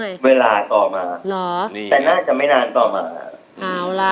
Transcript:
แต่น่าจะไม่นานต่อมา